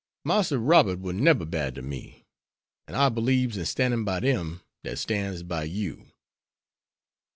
"Marster Robert war nebber bad to me. An' I beliebs in stannin' by dem dat stans by you.